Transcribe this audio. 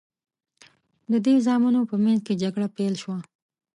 د دې زامنو په منځ کې جګړه پیل شوه.